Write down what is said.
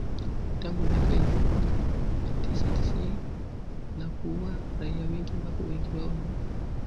tangu miaka ya elfu moja mia tisa tisini na kuua raia wengi ambapo wengi wao ni